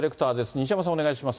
西山さん、お願いします。